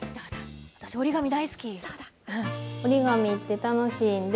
私折り紙大好き。